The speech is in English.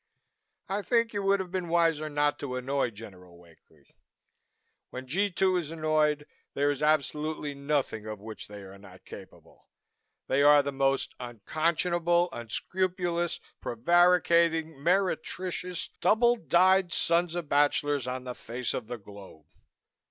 I think you would have been wiser not to annoy General Wakely. When G 2 is annoyed, there is absolutely nothing of which they are not capable. They are the most unconscionable, unscrupulous, prevaricating, meretricious double dyed sons of bachelors on the face of the globe.